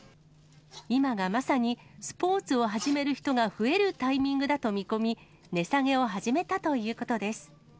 今がまさにスポーツを始める人が増えるタイミングだと見込み、値下げを始めたということです。